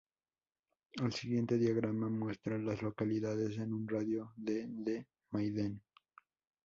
El siguiente diagrama muestra a las localidades en un radio de de Maiden.